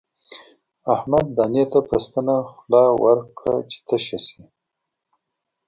احمد دانې ته په ستنه خوله ورکړه چې تشه شي.